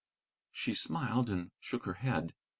She smiled and shook her head.